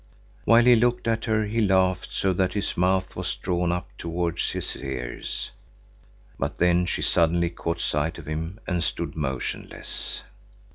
While he looked at her he laughed so that his mouth was drawn up towards his ears. But then she suddenly caught sight of him and stood motionless.